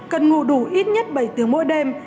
cần ngủ đủ ít nhất bảy tiếng mỗi đêm